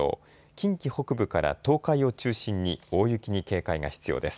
近畿北部から東海を中心に大雪に警戒が必要です。